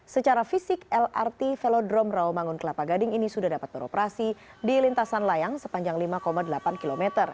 secara fisik lrt velodrome rawamangun kelapa gading ini sudah dapat beroperasi di lintasan layang sepanjang lima delapan km